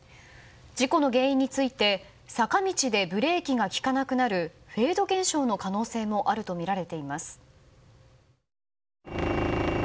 事故の原因について坂道でブレーキが利かなくなるフェード現象の可能性もあるとみられています。